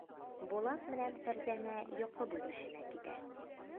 Булат менән Фәрзәнә йоҡо бүлмәһенә китә.